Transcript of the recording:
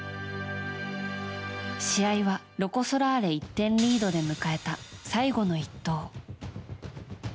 試合はロコ・ソラーレ１点リードで迎えた最後の一投。